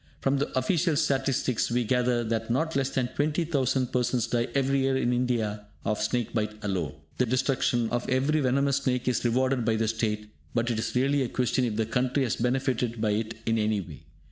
From the official statistics, we gather that not less than 20,000 persons die every year in India of snake bite alone. The destruction of every venomous snake is rewarded by the state, but it is really a question if the country has benefitted by it in any way.